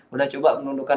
udah coba menundukkan